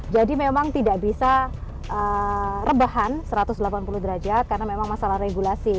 memang tidak bisa rebahan satu ratus delapan puluh derajat karena memang masalah regulasi